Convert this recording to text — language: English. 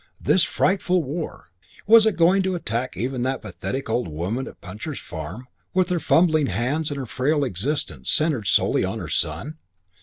This frightful war! Was it going to attack even that pathetic little old woman at Puncher's Farm with her fumbling hands and her frail existence centred solely in her son?